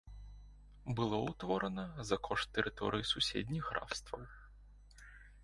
Было ўтворана за кошт тэрыторый суседніх графстваў.